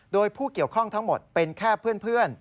โดยผู้เกี่ยวข้องทั้งหมดเป็นแค่เพื่อน